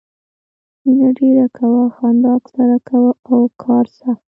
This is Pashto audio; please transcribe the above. مینه ډېره کوه، خندا اکثر کوه او کار سخت.